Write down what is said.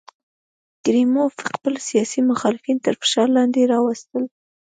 کریموف خپل سیاسي مخالفین تر فشار لاندې راوستل.